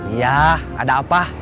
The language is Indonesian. iya ada apa